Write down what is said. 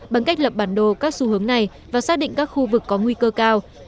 bằng cách lập bản đồ các xu hướng này và xác định các khu vực có nguy cơ cao